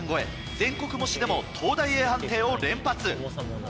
全国模試でも東大Ａ判定を連発。